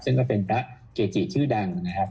ซึ่งก็เป็นพระเกจิชื่อดังนะครับ